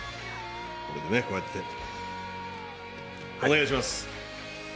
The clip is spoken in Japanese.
これでね、こうやってお願いします。